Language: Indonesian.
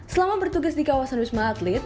selama bertugas di kawasan wisma atlet